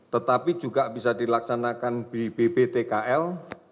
tetapi juga bisa dilaksanakan di bbtkl